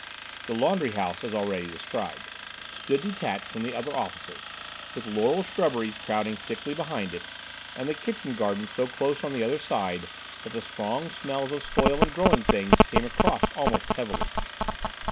The laundry house, as already described, stood detached from the other offices, with laurel shrubberies crowding thickly behind it, and the kitchen garden so close on the other side that the strong smells of soil and growing things came across almost heavily.